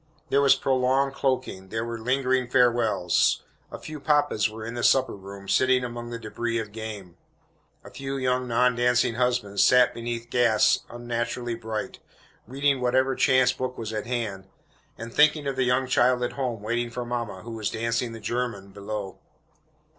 There was prolonged cloaking, there were lingering farewells. A few papas were in the supper room, sitting among the débris of game. A few young non dancing husbands sat beneath gas unnaturally bright, reading whatever chance book was at hand, and thinking of the young child at home waiting for mama who was dancing the "German" below.